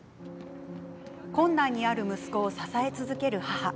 困難にある息子を支え続ける母。